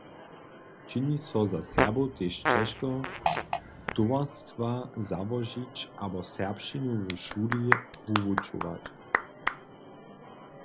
Čini so za Serbow tež čežko, towarstwa załožić abo serbšćinu w šuli wuwučować.